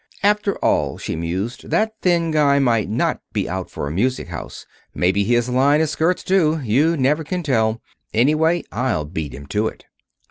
"After all," she mused, "that thin guy might not be out for a music house. Maybe his line is skirts, too. You never can tell. Anyway, I'll beat him to it."